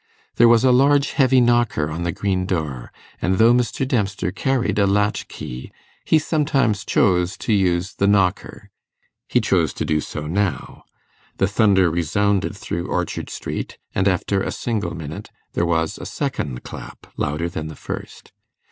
There was a large heavy knocker on the green door, and though Mr. Dempster carried a latch key, he sometimes chose to use the knocker. He chose to do so now. The thunder resounded through Orchard Street, and, after a single minute, there was a second clap louder than the first.